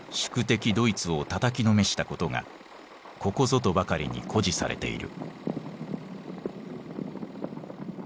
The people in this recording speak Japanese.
ドイツをたたきのめしたことがここぞとばかりに誇示されている。